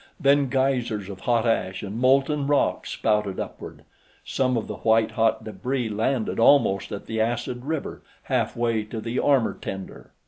Then geysers of hot ash and molten rock spouted upward; some of the white hot debris landed almost at the acid river, half way to the armor tender.